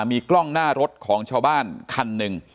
มีกล้องหน้ารถของชาวบ้านคันหนึ่ง